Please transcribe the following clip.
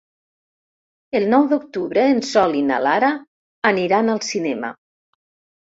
El nou d'octubre en Sol i na Lara aniran al cinema.